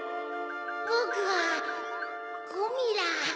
ぼくはゴミラ。